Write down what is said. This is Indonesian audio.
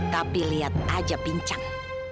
tapi lihat aja bincang